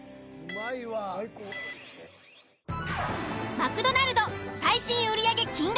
「マクドナルド」最新売り上げ金額